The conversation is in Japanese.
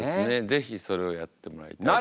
是非それをやってもらいたいと思います。